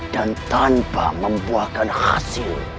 dan tanpa membuahkan hasil